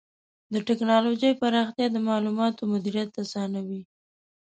د ټکنالوجۍ پراختیا د معلوماتو مدیریت آسانوي.